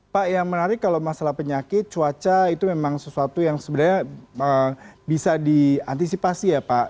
pak yang menarik kalau masalah penyakit cuaca itu memang sesuatu yang sebenarnya bisa diantisipasi ya pak